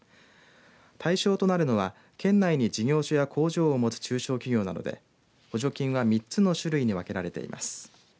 対象となるのは県内に事業所や工場を持つ中小企業などで補助金は３つの種類に分けられています。